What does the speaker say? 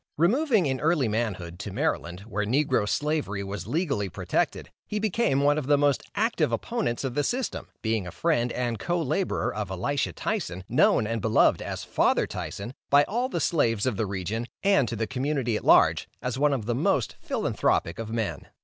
Removing in early manhood, to Maryland, where negro Slavery was legally protected, he became one of the most active opponents of the system, being a friend and co laborer of Elisha Tyson, known and beloved as "Father Tyson," by all the slaves of the region, and to the community at large, as one of the most philanthropic of men.